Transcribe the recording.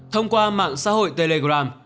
thông qua mạng xã hội telegram